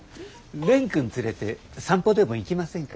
蓮くん連れて散歩でも行きませんか？